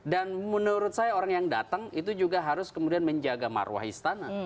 dan menurut saya orang yang datang itu juga harus kemudian menjaga marwah istana